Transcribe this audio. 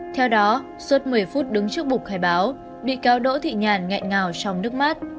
theo đó suốt một mươi phút đứng trước bục khai báo bị cáo đỗ thị nhàn nghẹn ngào trong nước mát